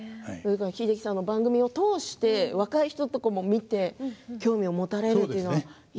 英樹さんの番組を通して若い人とかも見て興味を持たれるというのはいいですよね。